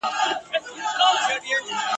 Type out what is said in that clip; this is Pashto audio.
له دریمه چي بېغمه دوه یاران سول ..